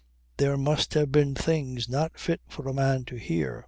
There must have been things not fit for a man to hear.